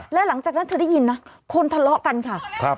แล้วหลังจากนั้นเธอได้ยินนะคนทะเลาะกันค่ะครับ